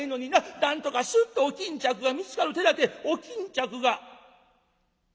なんとかスッとお巾着が見つかる手だてお巾着が。